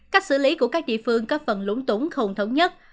cách xử lý của các địa phương có phần lũng tủng không thống nhất